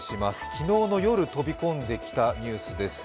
昨日の夜、飛び込んできたニュースです。